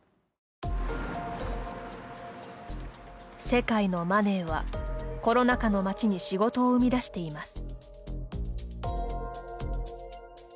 世界のマネーはコロナ禍の町に仕事を生み出しています。